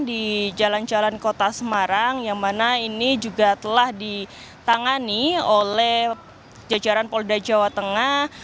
di jalan jalan kota semarang yang mana ini juga telah ditangani oleh jajaran polda jawa tengah